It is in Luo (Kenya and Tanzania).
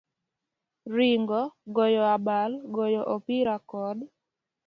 Ringo, goyo abal, goyo opira, kod